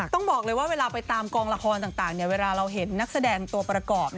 ต้องบอกเลยว่าเวลาไปตามกองละครต่างเวลาเราเห็นนักแสดงตัวประกอบ